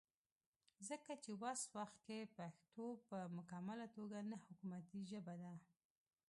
ځکه چې وس وخت کې پښتو پۀ مکمله توګه نه حکومتي ژبه ده